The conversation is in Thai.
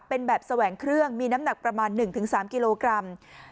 เป็นแบบแสวงเครื่องมีน้ำหนักประมาณ๑๓กิโลกรัม